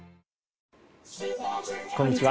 こんにちは。